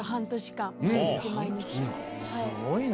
すごいな。